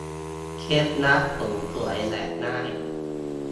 เคล็ดลับผมสวยแบบง่าย